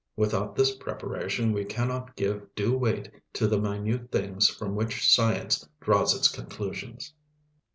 Without this preparation we cannot give due weight to the minute things from which science draws its conclusions.